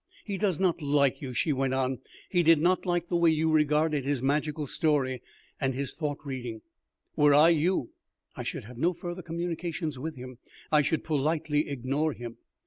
"He does not like you," she went on; "he did not like the way you regarded his magical story and his thought reading. Were I you, I should have no further communications with him. I should politely ignore him."